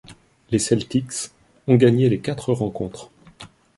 Les Celtics ont gagné les quatre rencontres.